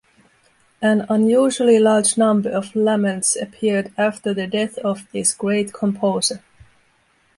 An unusually large number of laments appeared after the death of this great composer.